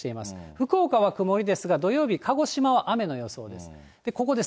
福岡は曇りですが、土曜日、鹿児島は雨の予想です。